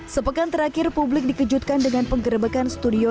sepekan terakhir publik dikejutkan dengan penggerebekan studio